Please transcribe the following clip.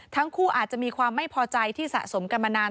ทั้งคู่อาจจะมีความไม่พอใจที่สะสมกันมานาน